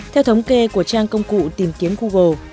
theo thống kê của trang công cụ tìm kiếm google